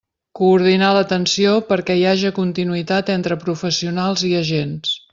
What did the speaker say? Coordinar l'atenció perquè hi haja continuïtat entre professionals i agents.